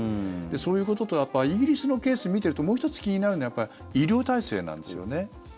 そういうこととイギリスのケースを見ているともう１つ気になるのはやっぱり医療体制なんですよね。